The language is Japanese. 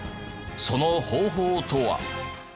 その方法とは。